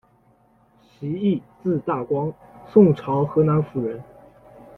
席益，字大光，宋朝河南府人。